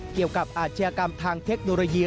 เกี่ยวกับอาชีพกรรมทางเทคโนโลยี